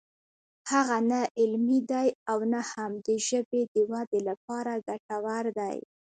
هغه نه علمي دی او نه هم د ژبې د ودې لپاره ګټور دی